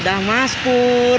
dadah mas pur